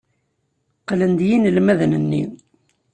Qqlen-d yinelmaden-nni.